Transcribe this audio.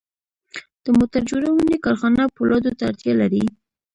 د موټر جوړونې کارخانه پولادو ته اړتیا لري